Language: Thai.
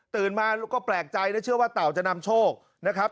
มาก็แปลกใจและเชื่อว่าเต่าจะนำโชคนะครับ